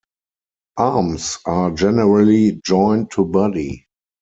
Arms are generally joined to body.